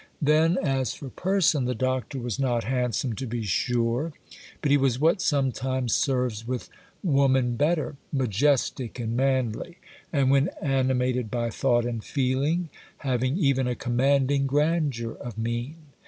Then, as for person, the Doctor was not handsome, to be sure; but he was what sometimes serves with woman better,—majestic and manly, and, when animated by thought and feeling, having even a commanding grandeur of mien.